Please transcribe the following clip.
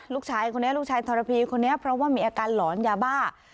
ลูกชายคนนี้ลูกชายทรพีคนนี้เพราะว่ามีอาการหลอนยาบ้า